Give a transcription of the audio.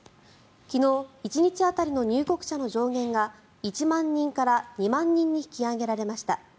昨日、１日当たりの入国者の上限が１万人から２万人に引き上げられました。